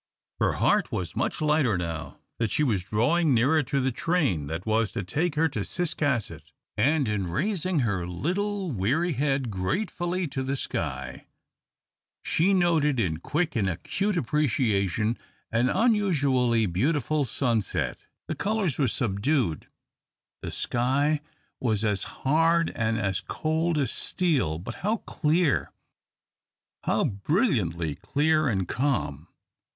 Her heart was much lighter now that she was drawing nearer to the train that was to take her to Ciscasset, and in raising her little, weary head gratefully to the sky, she noted in quick and acute appreciation an unusually beautiful sunset. The colours were subdued the sky was as hard and as cold as steel, but how clear, how brilliantly clear and calm!